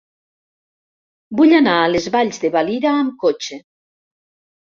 Vull anar a les Valls de Valira amb cotxe.